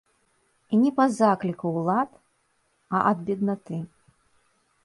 І не па закліку ўлад, а ад беднаты.